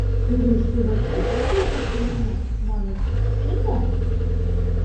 — Веруш, тый Вачук дене келшаш тӱҥалынат, маныт, чын мо?